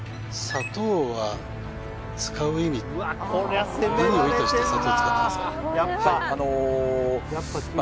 砂糖は使う意味何を意図して砂糖使ってますか？